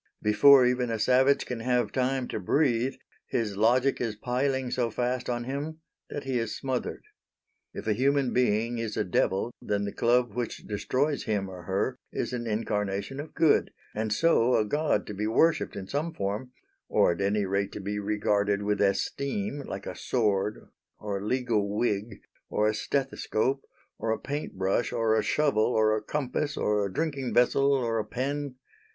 Before even a savage can have time to breathe, his logic is piling so fast on him that he is smothered. If a human being is a devil then the club which destroys him or her is an incarnation of good, and so a god to be worshipped in some form or at any rate to be regarded with esteem, like a sword, or a legal wig, or a stethoscope, or a paint brush, or a shovel, or a compass, or a drinking vessel, or a pen.